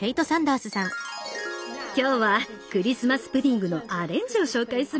今日はクリスマス・プディングのアレンジを紹介するわ！